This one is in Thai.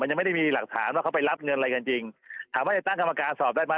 ยังไม่ได้มีหลักฐานว่าเขาไปรับเงินอะไรกันจริงถามว่าจะตั้งกรรมการสอบได้ไหม